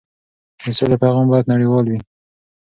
د سولې پیغام باید نړیوال وي.